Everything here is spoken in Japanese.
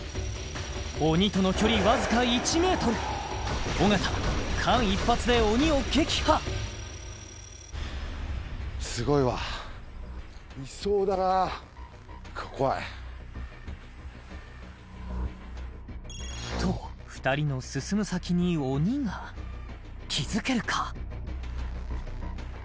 鬼との距離わずか１ｍ尾形間一髪で鬼を撃破スゴいわいそうだな怖いと２人の進む先に鬼が気づけるか？